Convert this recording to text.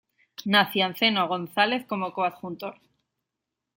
Nacianceno González como coadjutor.